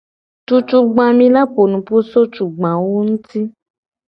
Cucugba mi la po nupo so tugbawo nguti.